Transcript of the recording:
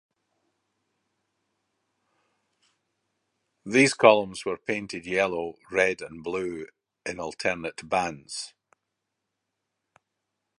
These columns were painted yellow, red and blue in alternate bands.